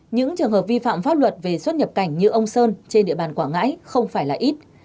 những trường hợp vi phạm pháp luật về xuất nhập cảnh như ông sơn trên địa bàn quảng ngãi không phải là ít